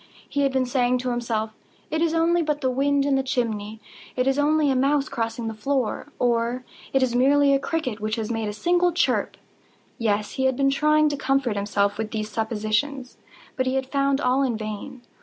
He had been saying to himself—"It is nothing but the wind in the chimney—it is only a mouse crossing the floor," or "It is merely a cricket which has made a single chirp." Yes, he had been trying to comfort himself with these suppositions: but he had found all in vain.